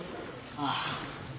ああ。